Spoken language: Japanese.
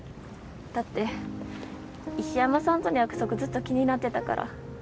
だって石山さんとの約束ずっと気になってたから。